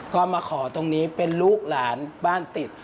ก็มาขอตรงนี้เป็นลูกหลานบ้านติด